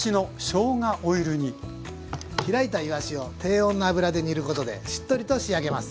開いたいわしを低温の油で煮ることでしっとりと仕上げます。